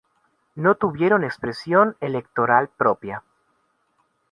No tuvieron expresión electoral propia.